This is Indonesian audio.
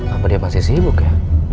apa dia masih sibuk ya